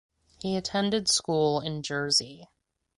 He attended school in Jersey.